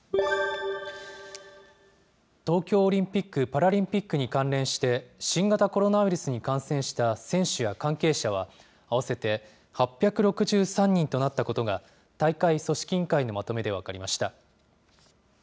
東京オリンピック・パラリンピックに関連して、新型コロナウイルスに感染した選手や関係者は、合わせて８６３人となったことが、大会組織委員会のまとめで分かりました。